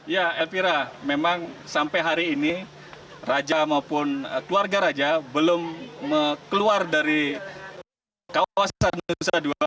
ya elvira memang sampai hari ini raja maupun keluarga raja belum keluar dari kawasan nusa dua